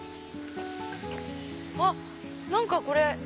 あっ何かこれ。